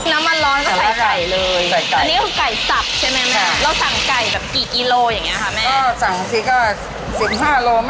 น้ำมันร้อนก็ใส่ไก่เลย